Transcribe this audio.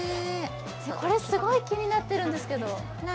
これすごい気になってるんですけど何？